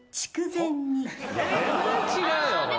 全然違うよ。